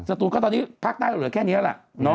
สตูลก็ตอนนี้ภาคใต้เหลือแค่นี้แล้วล่ะ